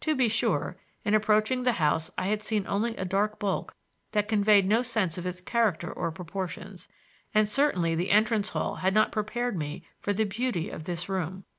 To be sure, in approaching the house I had seen only a dark bulk that conveyed no sense of its character or proportions; and certainly the entrance hall had not prepared me for the beauty of this room.